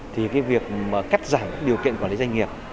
thì việc cắt giảm điều kiện quản lý doanh nghiệp